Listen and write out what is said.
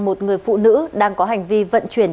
một người phụ nữ đang có hành vi vận chuyển